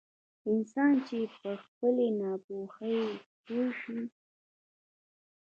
انسان چې په خپلې ناپوهي پوه شي.